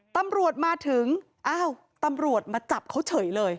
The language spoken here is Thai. ตำรวจมาถึงอ้าวตำรวจมาจับเขาเฉยเลย